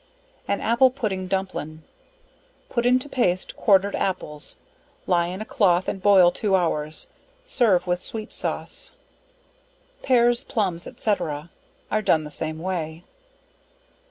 An apple Pudding Dumplin. Put into paste, quartered apples, lye in a cloth and boil two hours, serve with sweet sauce. Pears, Plumbs, &c. Are done the same way.